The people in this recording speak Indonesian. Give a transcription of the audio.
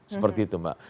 seperti itu mbak